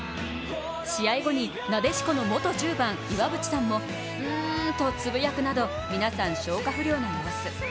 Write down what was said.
試合後になでしこの元１０番岩渕さんも「んーーーーー」とつぶやくなどみなさん消化不良な様子。